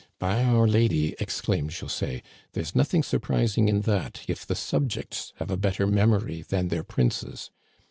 "By our lady," exclaimed José, "there's nothing surprising in that, if the subjects have a better memory than their princes